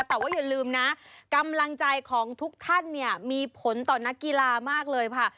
แต่ว่าอย่าลืมนะกำลังใจของทุกท่านเนี่ยมีผลต่อนักกีฬามากเลยค่ะ